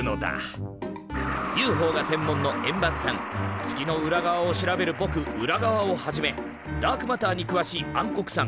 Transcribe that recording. ＵＦＯが専門の円盤さん月の裏側を調べるぼくウラガワをはじめダークマターにくわしい暗黒さん